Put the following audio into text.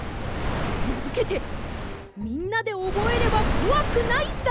なづけて「みんなでおぼえればこわくないだいさくせん」です！